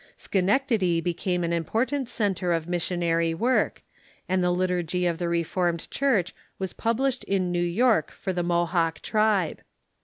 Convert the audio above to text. Sche nectady became an important centre of missionary w^ork, and the Liturgy of the Reformed Church was published in New York for the Mohawk tribe.